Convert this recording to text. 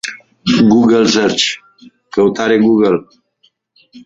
Robert Cook created the programming for the computer moderation.